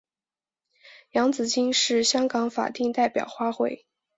洋紫荆是香港法定代表花卉。